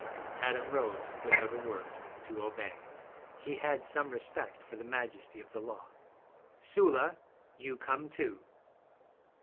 Adam rose without a word, to obey. He had some respect for the majesty of the law. 'Sula, you come, too.'